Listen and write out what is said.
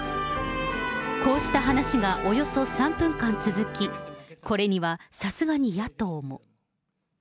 こうした話がおよそ３分間続き、これにはさすがに野党も。